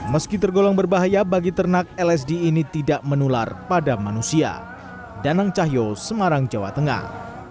meski tergolong berbahaya bagi ternak lsd ini tidak menular pada manusia danang cahyo semarang jawa tengah